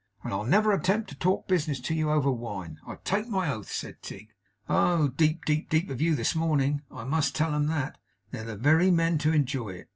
'And I'll never attempt to talk business to you over wine, I take my oath,' said Tigg. 'Oh deep, deep, deep of you this morning! I must tell 'em that. They're the very men to enjoy it.